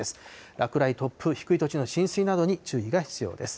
落雷、突風、低い土地の浸水などに注意が必要です。